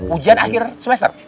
ujian akhir semester